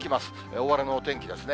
大荒れのお天気ですね。